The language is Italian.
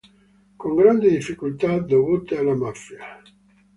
Con grandi difficoltà dovute alla mafia.